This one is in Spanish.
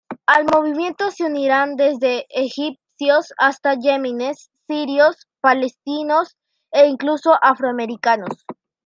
Al movimiento se unirían desde egipcios hasta yemeníes, sirios, palestinos e, incluso, afroamericanos.